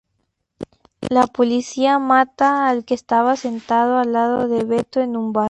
La policía mata al que estaba sentado al lado de Beto en un bar.